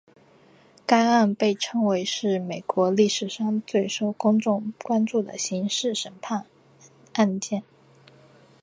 该案被称为是美国历史上最受公众关注的刑事审判案件。